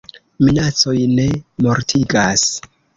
Minacoj ne mortigas.